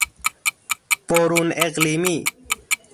برون اقلیمی